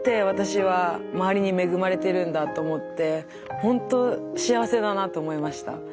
私は周りに恵まれてるんだと思ってほんと幸せだなと思いました。